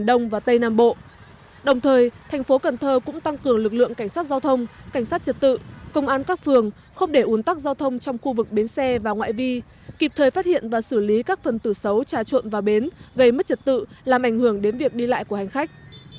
đồng thời thành phố cần thơ cũng tăng cường lực lượng cảnh sát giao thông cảnh sát trật tự công an các phường không để ủn tắc giao thông trong khu vực bến xe và ngoại vi kịp thời phát hiện và xử lý các phần tử xấu trà trộn vào bến gây mất trật tự làm ảnh hưởng đến việc đi lại của hành khách